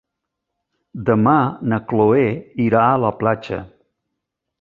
Demà na Cloè irà a la platja.